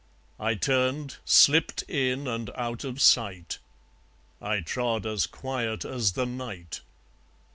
I turned, slipped in and out of sight. I trod as quiet as the night.